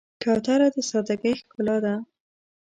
کوتره د سادګۍ ښکلا ده.